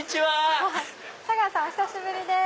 太川さんお久しぶりです。